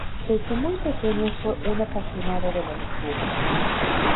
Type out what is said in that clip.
Desde muy pequeño fue un apasionado de la lectura.